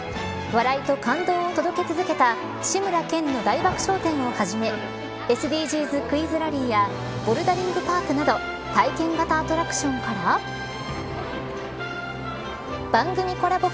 笑いと感動を届け続けた志村けんの大爆笑展をはじめＳＤＧｓクイズラリーやボルダリングパークなど体験型アトラクションから番組コラボ